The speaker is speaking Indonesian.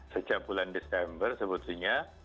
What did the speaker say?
sejak bulan desember sebetulnya